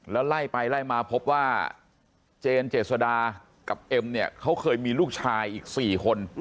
แล้วไล่ไปไล่มาพบว่าเจนเจษดากับเอ็มเนี่ยเขาเคยมีลูกชายอีก๔คน